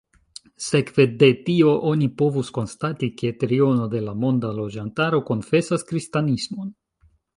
Sekve de tio oni povus konstati, ke triono de la monda loĝantaro konfesas kristanismon.